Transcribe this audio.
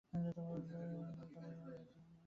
কিন্তু রাজার প্রতি বিদ্বেষভাব ভালো করিয়া ঘুচিল না।